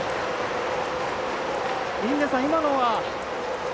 印出さん、今のは。